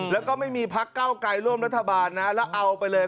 แล้วก็ไม่มีพักเก้าไกลร่วมรัฐบาลนะแล้วเอาไปเลย